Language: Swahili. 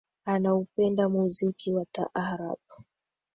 Anaupenda muziki wa taarabu